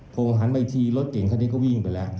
ผมหันไปอีกทีรถเก่งขนาดนี้ก็วิ่งไปแล้ว